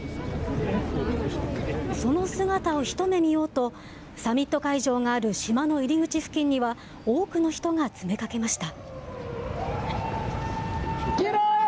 その姿を一目見ようとサミット会場がある島の入り口付近には多くの人が詰めかけました。